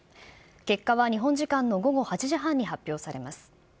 結果は日本時間の午後８時半に発表されます。